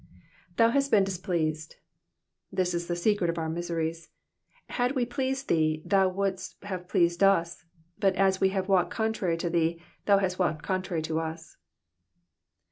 ^^Th&u hast 'been displeased,'*^ This is the secret of our miseries. Had we pleased thee, thou wouldst have pleased us ; but as we have walked contrary to thee, thou hast walked contrary to us.